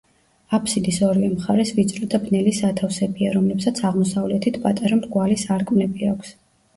აფსიდის ორივე მხარეს ვიწრო და ბნელი სათავსებია, რომლებსაც აღმოსავლეთით პატარა მრგვალი სარკმლები აქვს.